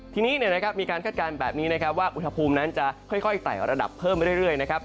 ทีนี้มีการคาดการณ์แบบนี้นะครับว่าอุณหภูมินั้นจะค่อยไต่ระดับเพิ่มไปเรื่อยนะครับ